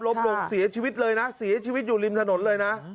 ลงเสียชีวิตเลยนะเสียชีวิตอยู่ริมถนนเลยนะ